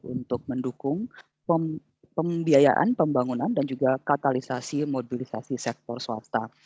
untuk mendukung pembiayaan pembangunan dan juga katalisasi mobilisasi sektor swasta